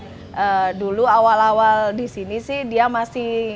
misalnya di sini sudah dari umur empat tahun dulu awal awal disini sih dia masuk ke institusi dengan